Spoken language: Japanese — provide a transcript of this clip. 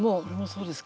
そうですか！